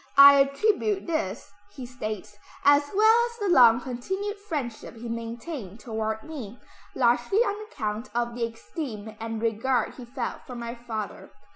"I attribute this," he states, "as well as the long continued friendship he maintained toward me, largely on account of the esteem and regard he felt for my father.